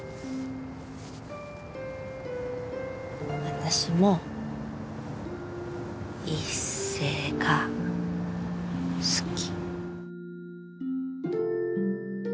私も一星が好き。